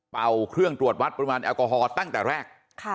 เครื่องตรวจวัดปริมาณแอลกอฮอลตั้งแต่แรก